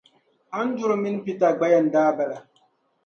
Anduru mini Peter gba ya n-daa bala.